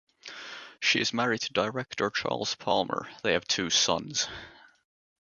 She is married to director Charles Palmer; they have two sons.